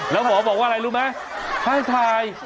แล้วหมอบอกว่าอะไรรู้ไหมให้ถ่าย